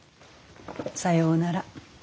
さようなら。